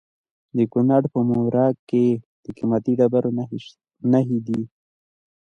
د کونړ په مروره کې د قیمتي ډبرو نښې دي.